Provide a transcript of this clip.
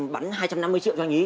bắn hai trăm năm mươi triệu cho anh ý